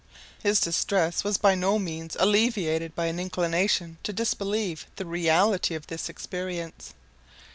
His distress was by no means alleviated by an inclination to disbelieve the reality of this experience.